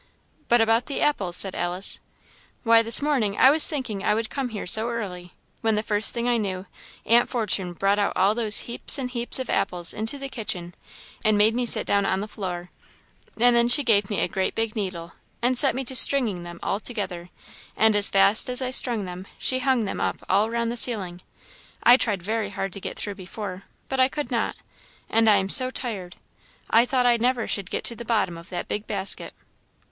"But about the apples?" said Alice. "Why, this morning I was thinking I would come here so early, when the first thing I knew, Aunt Fortune brought out all those heaps and heaps of apples into the kitchen, and made me sit down on the floor, and then she gave me a great big needle, and set me to stringing them all together; and as fast as I strung them, she hung them up all round the ceiling. I tried very hard to get through before, but I could not; and I am so tired! I thought I never should get to the bottom of that big basket."